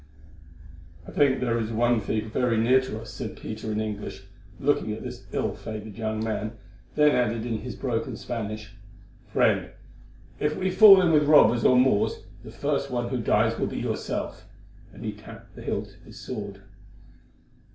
"I think there is one thief very near to us," said Peter in English, looking at this ill favoured young man, then added in his broken Spanish, "Friend, if we fall in with robbers or Moors, the first one who dies will be yourself," and he tapped the hilt of his sword.